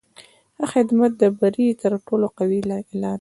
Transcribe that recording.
ښه خدمت د بری تر ټولو قوي اعلان دی.